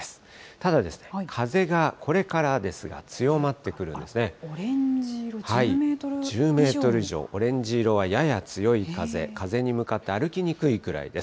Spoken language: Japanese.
ただ、風がこれからですが強まっオレンジ色、１０メートル以１０メートル以上、オレンジ色はやや強い風、風に向かって歩きにくいくらいです。